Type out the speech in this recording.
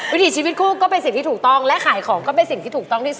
วิถีชีวิตคู่ก็เป็นสิ่งที่ถูกต้อง